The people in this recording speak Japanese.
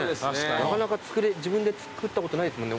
なかなか自分で作ったことないですもんね